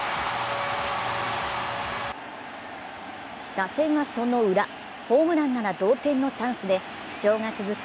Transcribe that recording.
打線はそのウラ、ホームランなら同点のチャンスで不調が続く